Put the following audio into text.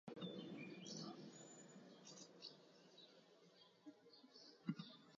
En dicha temporada marcó un total de cero goles.